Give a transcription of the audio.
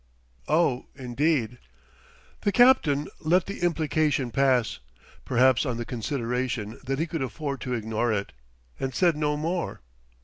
"Oh, indeed." The captain let the implication pass, perhaps on the consideration that he could afford to ignore it; and said no more.